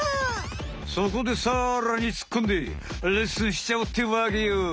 そこでさらにつっこんでレッスンしちゃおうってわけよ！